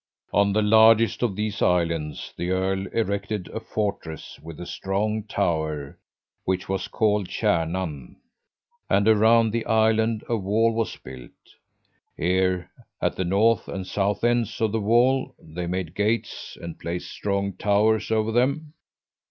"On the largest of these islands the earl erected a fortress with a strong tower, which was called 'Kärnan.' And around the island a wall was built. Here, at the north and south ends of the wall, they made gates and placed strong towers over them.